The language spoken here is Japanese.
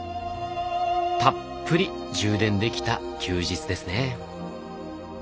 たっぷり充電できた休日ですね。